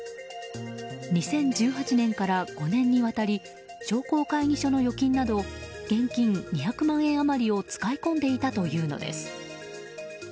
２０１８年から５年にわたり商工会議所の預金など現金２００万円余りを使い込んでいたというのです。